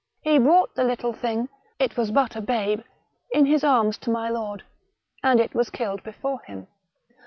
He brought the little thing — it was but a babe — in his arms to my lord, and it was killed before him.